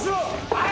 はい！